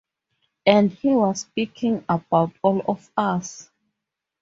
And he was speaking about all of us.